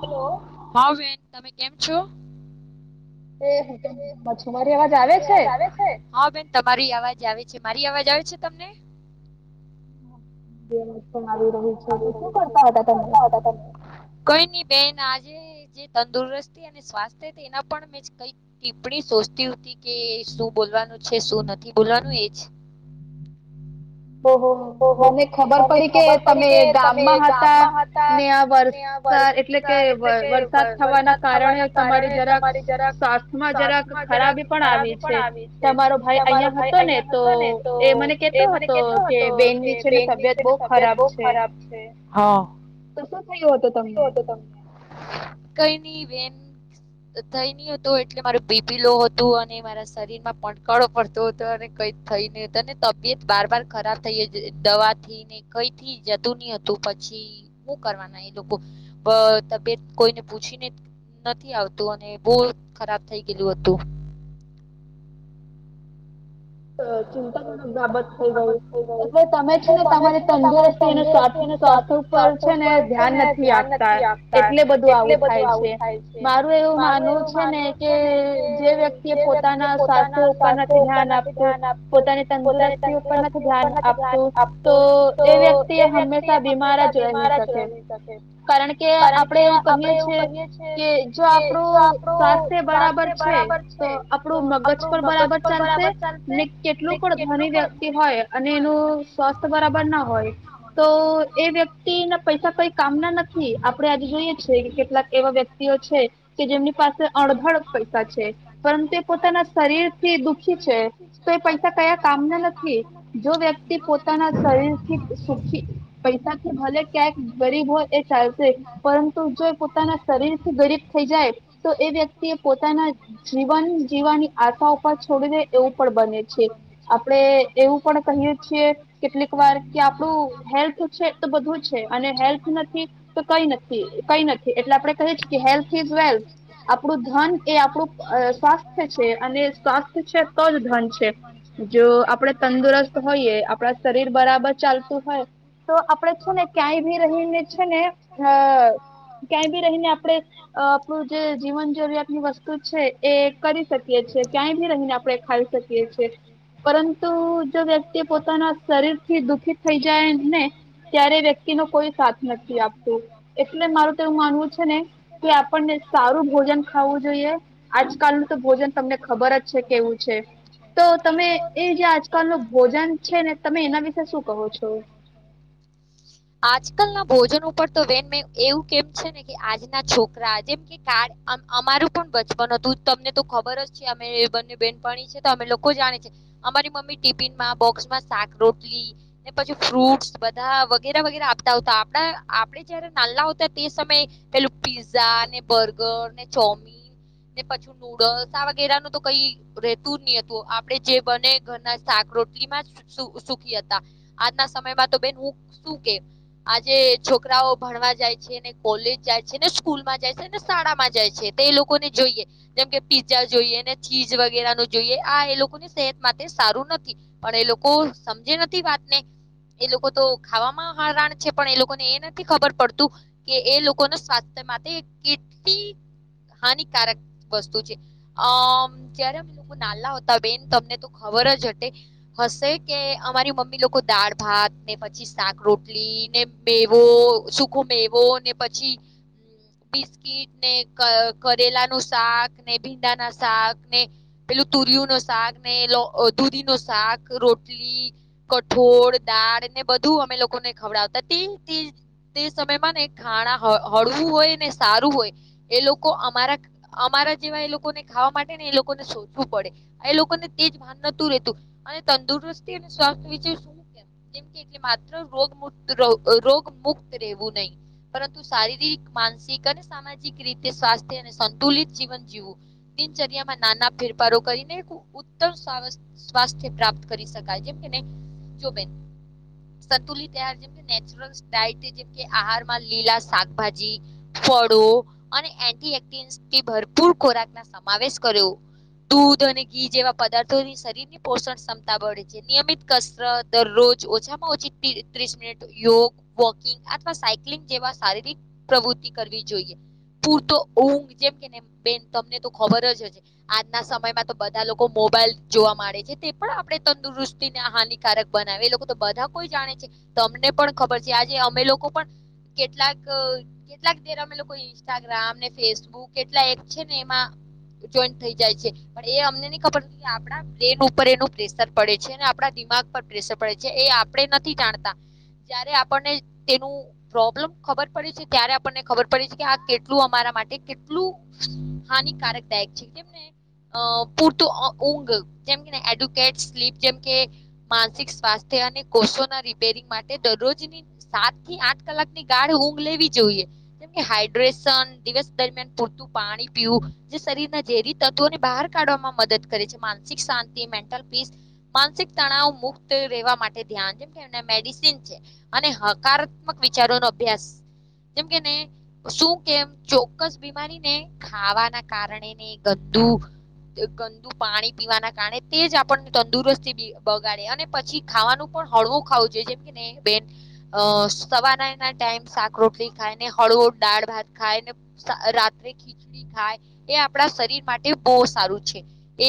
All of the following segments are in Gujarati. હલો હા બેન તમે કેમ છો. એહુ. રી અવાજ આવે છે હા બેન તમારી અવાજ આવે છે મારી અવાજ આવે છે તમને. હ બે [unintelligible] આવી્યું છે શ કરતા હતા તમને. કઈ નહી બેન આજે જે તંદુરસ્તી અને સ્વાસ્થ્ય એના પણ મે કઈ ટીપ્પણી સોચતી હતી કે શું બોલવાનું છે શું નથી બોલવાનું એજ ઓહ મને ખબર પડી કે તમે ગામમાં હતા ને આ વર્ષ એટલે કે વરસાદ થવાના કારણે તમારી જરા હમાં જરાક ખરાબી પણ આવી છે તમારો ભાઈ અહિયાં હતો ને તો એ મને કેતો હતો. કેતો હતો કે બેન ની છેને તબિયત બહુ ખરાબ છે હા. તો શ થયો હતો તમને કઈ નઈ બેન થઈ નહ હતો એટલે મારું બીપીલો હતું અને મારા શરીર માં ભકળો પ તો તને કઈ થઈ ને તને તબિયત બાર બાર ખરાબ દવા થીને કઈથી જતું નહ હતું પછી. શું કરવાના એ લોકો તબિયત કોઈને પૂછી ને. નથી આવતું અને બહુ ખરાબ થઈ ગયેલું હતું. તો ચિંતાજનક બાબત થઈ ગયું એટલે તમે છે ને તમારી તંદુરસ્તી અને સ્વાસ્થ્ય પર છે ને ધ્યાન નથી આપતા એટલે બધું આવું થાય છે. મારું એવું માનવું છે ને કે જે વ્યક્તિ એ પોતાના સ્વાસ્થ્ય ઉપર નથી ધ્યાન આપ ધ્યાન આપ પોની તંદુરસ્તી ઉપ નથીન આપતું તો એ વ્યક્તિ હંમેશા એ મારાાજ ર તે કારણ કે આપડે એવું કહીય છેીએ કે જો આપણું સ્વાસ્થ્ય બરાબર છે. તો આપણું મગજ પણ બરાબર ચાલશે. કેટલું પણ ધન વ્યક્તિ હોય અને એનું સ્વાસ્થ્ય બરાબર ના હોય. તો એ વ્યક્તિ ના પૈસા કઈ કામના નથી આપડણે આજે જોઈએ છેીએ કે કેટલાક એવા વ્યક્તિઓ છે. કે જેમની પાસે અડધડ પૈસા છે પરંતુ એ પોતાના શરીર થી દુખી છે તો કયા કામના નથી જો વ્યક્તિ પોતાના શરીરથી સુખી પૈસાથી ભલે ક્યાંક ગરીબ હોય એ ચાલશે પરંતુ જો પોતાના શરીર થી ગરીબ થઈ જાય. તો એ વ્યક્તિ એ પોતાના જીવન જીવવાની આશા ઉપર છોડી દે એવું પણ બને આપે એવું પણ કહિયે છે કેટલીક વાર કે આપણું હેલ્થ છે તો બધું છે અને હેલ્થ નથી તો કઈ નથી કઈ નથી એટલે આપડે કહી છે કે હેલ્થ ઇઝ વેલ્થ આપણું ધન એ આપણું સ્વાસ્થ્ય છે અને સ્વાસ્થ્ય છે તો જ ધન છે. જો આપડે તંદુરસ્ત હોઈયએ આપડા શરીર બરાબર ચાલતું હોય. તો આપણે છે ને ક્યાંય ભી રહીને છે ને અ ક્યાય ભી રહીને આપણે અ આપણું જે જીવન જરૂરિયાતની વસ્તુ છે એ કરી શકીએ છેએ ક્યાંયથી રહીને આપડણે ખાઈ શકીએ છે પરંતુ જો વ્યક્તિ પોતાના શરીર થી દુખિત થઈ જાય ને ત્યારે વ્યક્તિ નો કોઈ સાથ નથી આપતું એટલે મારું તો એવું માનવું છે ને કે આપણને સારું ભોજન ખાવું જોઈએ આજકાલ ન તો ભોજન તમને ખબર જ છે કેવું છે. તો તમે એ જે આજકાલ નો ભોજન છે ને તમે એના વિશે શું કહો છો. આજકાલ ના ભોજન ઉપર તો બેન એવું કેમ છે ને કે આજના છોકરા જેમ કાર અમારું પણ બચપન હતું તમને તો ખબર જ છે અમે બંને બેન ભણી છે તો અમે લોકો જાણે છે અમારી મમ્મી ટિફિનમાં બોક્સમાં શાક રોટલી પછી ફ્રૂટસ બધા વગેરે વગેરે આપતા આવતા આપણા આપડ જયારે નાલા હતા તે સમયે પેલું પીઝા ને બર્ગર ને ચોમીન ને પછું નૂડલ્સ આ વગેરે નું તો કઈ રતું નહી હતું આપડે જે બને ઘરના શાક રોટલીમાં જ સુખી હતા. આજના સમયમાં તો બેન હું શું કે આજે છોકરાઓ ભણવા જાય છે ને કોલેજ જાય છે ને સ્કૂલ માં જાય છે ને શાળામાં જાય છે તે એ લોકો જોઈએ જેમ કે પીઝા જોઈએ ને ચીજ જોયે જોઈએ આ એ લોકોની સેહત માટે સારું નથી પણ એ લોકો સમજે નથી વાતને એ લોકો તો ખાવામાં [unintelligible] છે પણ એ લોકોને એ નથી ખબર પડતું કે એ લોકોના સ્વાસ્થ્ય માટે કેટલી હાનિકારક વસ્તુ છે અમ જય્યારે અમે લોકો નાના હતા બેન તમને તો ખબર જ હશે કે અમારી મમ્મી લોકો દાળ ભાત ને પછી શાક રોટલી ને મેવો સુખો મેવો ને પછી બિસ્કીટ ને કરેલા નું શાક ને ભીંડા ના શાક પેલું તુરિયુ નુ શાક ને દૂધી નો શાક રોટલી કઠોળ દાળ ને બધું અમે લોકોને ખવડાવતા તે સમયમાં ને ખાણા હળવું હોય ને સારું હોય એ લોકો અમારા અમારા જેવા એ લોકોને ખાવા માટે ને એ લોકોને સોચવું પડે એ લોકોને તેજ ભાન નતું રહેતું અને તંદુરસ્તી અને સ્વાસ્થ્ય વિશે શું કે જેમ કે એટલે માત્ર રોગ મુક્ત રોગ મુક્ત રહેવું નહી પરંતુ શારીરિક માનસિક અને સામાજિક રીતે સ્વાસ્થ્ય અને સંતુલિત જીવન દિનચર્યામાં નાના ફેરફારો કરીને ઉત્તમ સ્વાસ્થ્ય પ્રાપ્ત કરી શકાય જેમ કેને જો બેન સંતુલિત આહાર જેમકે નેચરલ જેમ કે આહારમાં લીલા શાકભાજી ફળો અને એનટી એક્ટિવસ ભરપૂર ખોરાક સમાવેશ કર્યો. દૂધ અને ઘી જેવા પદાર્થોની શરીર ની પોષણ ક્ષમતા બળે છે. નિયમિત કસરત દરરોજ ઓછામાં ઓછી ત્રીસ મિનિટ યોગ વોકિંગ અથવા સાયક્લિંગ જેવા શારીરિક પ્રવૃતિ કરવી જોઈએ. પૂરતો ઊંઘ જેમ કે ને બેન તમને તો ખબર જ હશે - આજના સમયમાં તો બધા લોકો મોબાઈલ જોવા મળે છે તે પણ આપણે તંદુરસ્તી ને હાની બનાવે એ લોકો તો બધા કોઈ જાણે છે તો અમને પણ ખબર છે આજે અમે લોકો પણ કેટલાક કેટલાક દેર અમે લોકો ઇન્સ્ટાગ્રામ ને ફેસબુક કેટલા એક છે ને એમાં જોઈન્ટ થઈ જાય છે પણ એ અમને નહી ખબર કે આપડા બ્રેન ઉપર એનું પ્રેશર પડે છે ને આપણા દિમાગ પર પ્રેશર પડે છે એ આપડણે નથી જાણતા જય્યારે આપણને તેનું પ્રોબ્લેમ ખબર પડી છે ત્યારે આપણને ખબર પડી છે કે આ કેટલું અમારા માટે કેટલું હાનિકારક દાયક છે જેમને અ પૂરતું ઊંઘ જેમ કેને એડવોકેટ સ્લીપ જેમ કે માનસિક સ્વાસ્થ્ય અને કોષો ના રિપેરિંગ માટે દરરોજની સાત થી આઠ કલાકની ગાઢ ઊંઘ લેવી જોઈએ. જેમ કે હાઈડ્રેશન દિવસ દરમિયાન પૂરતું પાણી પીવું જે શરીરના ઝેરી તત્વો ને બહાર કાઢવામાં મદદ કરે છે માનસિક શાંતિ મેન્ટલ પીસ માનસિક તણાવ મુક્ત રહેવા માટે ધ્યાન જેમ કે એમ મેડિસન છે. અને હકારાત્મક વિચારો નો અભ્યાસ જેમ કેને શું કેમ ચોક્કસ બીમારીને ખાવા ના કારણે ને દુઃખ પાણી પીવાના કારણે તે જ આપણને તંદુરસ્તી બગાડે અને પછી ખાવાનું પણ હળવું ખાવું છે જેથી બેન અ સવારા ના ટાઈમ શાક રોટલી ખાય ને હળવો દાળ ભાત ખાય ને રાત્રે ખીચડી ખાય એ આપણા શરીર માટે બહુ સારું છે એ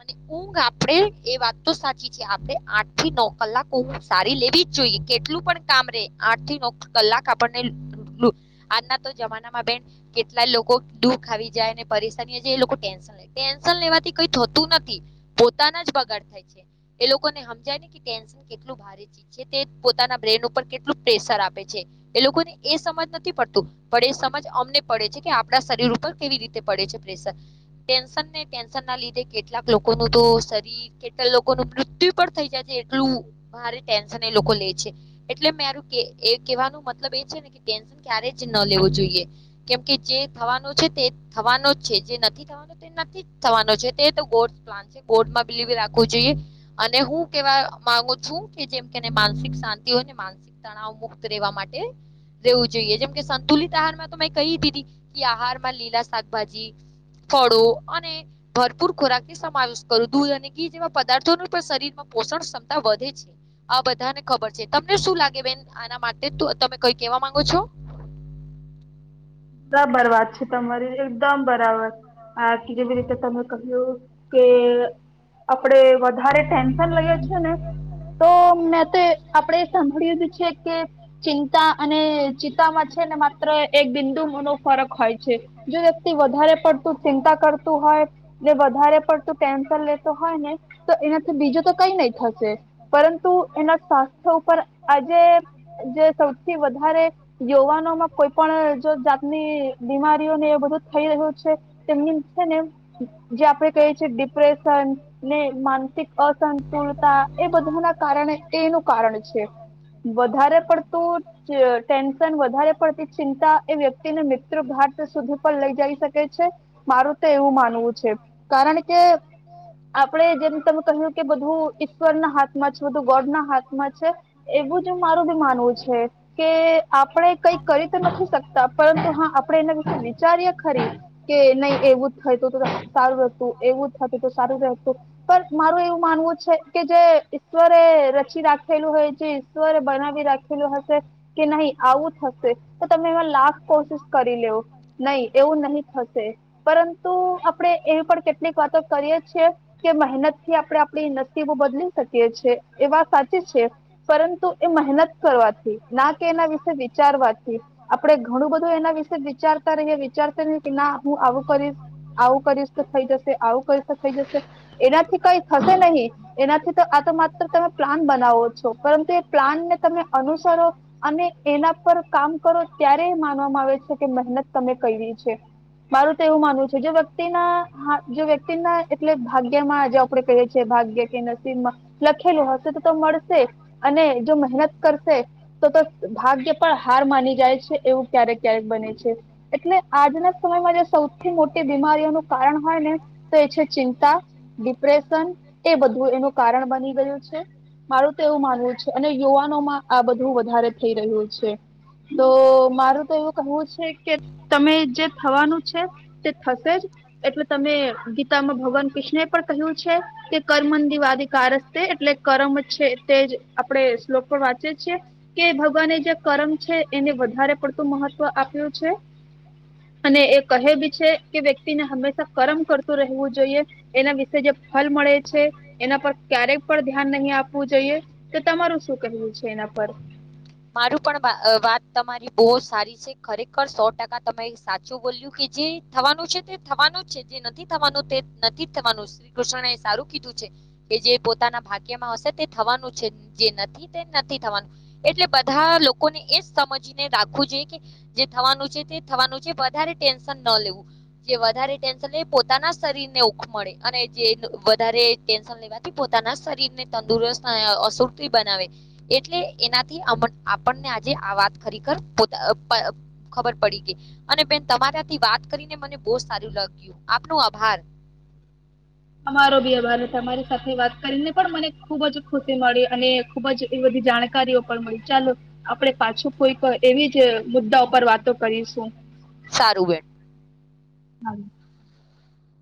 અને ઊંઘ આપણેે એ વાત તો સાચી છે આપણે આઠ થી નવ કલાકો સારી લેવી જ જોઈએ કેટલું પણ કામ રે આઠ થી ન કલાક આપણને આજના તો જમાનામાં બેન કેટલા લોકો દુઃખ આવી જાય અને પરેશાની એ લોકો ટેન્શન ટેન્શન લેવાથી કઈ થતું નથી પોતાના જ બગાડ થાય છે. એ લોકોને સમજાય ને ટેન્શન કેટલું ભારે તે પોતાના બ્રેન ઉપર કેટલું પ્રેશર આપે છે. એ લોકોને એ સમજ નથી પડતું પણ એ સમજ અમને પડે છે કે આપણા શરીર પણ કેવી રીતે પડે છે પ્રેસર ટેન્શન ને ટેન્શન ના લીધે કેટલાક લોકોનું તો શરીર કેટલા લોકો ન મૃત્યુ થઈ જાય છે એટલું ભારે ટેન્શન એ લોકો લે છે. એટલે મેરું એ કેવાનું મતલબ એ છે ને કે ટેન્શન ક્યારે જ ન લેવું જોઈએ. કેમ કે જે થવાનું છે તે થવાનો જ છે જે નથી થવા નથી થવાનો છે તે ગો પ્લા છે ગોડમાં બિલી બી રાખવું જોઈએ. અને હું કેવા માંગુ છું કે જેમ કે માનસિક શાંતિ હોયને માનસિક તણાવ મુક્ત રહેેવા માટે રહેેવું જોઈએ જેમકે સંતુલિત આહારમાં તો મેં કહી દીધી કે આહારમાં લીલા શાકભાજી ફળો અને ભરપૂર ખોરાક સમાવેશ કરું દૂધ અને ઘી જેવા પદાર્થો નો પણ શરીર માં પોષણ ક્ષમતા વધે છે. આ બધાને ખબર છે તમને શું લાગે બેન આના માટે તું તમે કઈ કેવા માંગો છો. બરાબર વાત છે તમારી એકદમ બરાબર આ કે જેવી રીતે તમે કહ્યું કે આપડે વધારે ટેન્શન લઈએ છીએ ને તો મેં તો આપડે સાંભળ્યું છે કે ચિંતા અને ચિતામાં છે ને માત્ર એક દિન ફરક હોય છે જો વ્યક્તિ વધારે પડતું ચિંતા કરતું હોય વધારે પડતું ટેનસન લેતો હોય ને તો એ બીજું તો કઈ નહી થશે પરંતુ એના સ્વાસ્થ્ય ઉપર આજે જે થી વધારે યુવાનો માં કોઈ પણ જાતની બીમારીઓને એ બધું થઈ રહ્યું છે તેમની છે ને જે આપડે કહીએ છીંએ ડિપ્રેશન ને માન અસંતુલતા એ બધાના કારણે એનું કારણ છે વધારે પડતું ટેન્શન વધારે પડતી ચિંતા વ્યક્તિને મિત્ર [unintelligible] સુધી પણ લઈ જઈ શકે છે. મારું તો એવું માનવું છે કારણ કે આપડે જેમ તમે કહ્યું કે બધું ઈશ્વર ના હાથમાં છે બધું ગોડ ના હાથમાં છે એવું જ મારું બી માનવું છે. કે આપણે કઈ કરી તો નથી શકતા પરંતુ હા આપણે એના વિશે વિચારીએ ખરી કે નહીં એવું જ થાય [unintelligible] તો સારું રહેતું એવું જ થતું તો સારું રહેતું. પણ મારું એવું માનવું છે કે જે ઈશ્વરે રચી રાખેલું હોય છે ઈશ્વરે બનાવી રાખે હશે કે નહી આવું થશે તો તમે એમાં લાખ કોશિશ કરી લેવો નહી એવું નહીં થશે પરંતુ આપણે એવી પણ કેટલીક વાતો કરીએ છીંએ કે મહેનત થી આપડે આપણી નસીબો બદલી શકીએ છીંએ એવા પરંતુ એ મહેનત કરવાથી ના કે એના વિશે વિચારવાથી આપણે ઘણું બધું એના વિશે વિચારતા રહીએ વિચારતા રહીએ કે ના હું આવું કરીશ આવું કરીશ તો થઈ જશે આવું કરીશ થઈ જશે એનાથી કઈ થશે નહી. એનાથી તો આ તો માત્ર તમે પ્લાન બનાવો છો પરંતુ એ પ્લાન ને તમે અનુસરો અને એના પર કામ કરો ત્યારે માનવામાં આવે છે કે મહેનત તમે કવી છે. મારું તો એવું માનવું છે જો વ્યક્તિના જો વ્યક્તિના એટલે ભાગ્યમાં જે આપડે કહીએ છીંએ ભાગ્ય નસીબમાં લખેલું હશે તો તો મળશે અને જો મહેનત કરશે તો તો ભાગ્ય પણ હાર માની જાય છે. એવું ક્યારેક- ક્યારેક બને છે. એટલે આજના સમયમાં જે સૌથી મોટી બીમારીઓનું કારણ હોય ને તો એ છે ચિંતા, ડિપ્રેશન એ બધું એનું કારણ બની ગયું છે. મારું તો એવું માનવું છે, અને યુવાનોમાં આ બધું વધારે થઈ રહ્યું છે. તો મારું તો એવું કહેવું છે કે તમે જે થવાનું છે તે થશે જ એટલે તમે ગીતામાં ભગવાન કૃષ્ણ એ પણ કહ્યું છે કે કર્મંદિવાદી કારસ્તે એટલે કર્મ છે તે જ આપણે શ્લોક પણ વાંચે છીંએ. કે ભગવાને જે કર્મ છે, એને વધારે પડતું મહત્વ આપ્યું છે. અને એ કહે બી છે કે વ્યક્તિને હંમેશા કરમ કરતું રહેવું જોઈએ. એના વિશે જે ફલ મળે છે, એના પર ક્યારેક પણ ધ્યાન નહીં આપવું જોઈએ. તો તમારું શું કહેવું છે એના પર? મારું પણ વાત તમારી બહું સારી છે. ખરેખર સો ટકા તમે સાચું બોલ્યું. કે જે થવાનું છે, તે થવાનું જ છે. જે નથી થવાનું તે નથી થવાનું. શ્રી કૃષ્ણ એ સારું કીધું છે. કે જે પોતાના ભાગ્યમાં હશે તે થવાનું છે. જે નથી તે નથી થવાનું. એટલે બધા લોકોને એ જ સમજને રાખવું જોઈએ કે જે થવાનું છે, તે થવાનું છે. વધારે ટેન્શન ન લેવું. જે વધારે ટેન્શન લે પોતાના શરીરને ઓખ મળે અને જે વધારે ટેન્શન લેવા પોતાના શરીર ને તંદુરસ્ત અને અશુદ બનાવે એટલે એના થી આપણને આજે આ વાત ખરેખર પોતા અ પ ખબર પડી ગઈ, અને બેન તમારાથી વાત કરીને મને બહું સારું લાગ્યું, આપનો આભાર. અમારો બી આભાર તમારી સાથે વાત કરીને પણ મને ખુબ જ ખુશી મળી અને ખુબ જ એ બધી જાણકારીઓ પણ મળી, ચાલો આપણેે પાછું કોઈક એવી જ મુદ્દા ઉપર વાતો કરીશું. સારું બેન. હા.